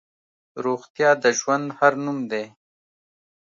روغتیا د ژوند هر نوم دی.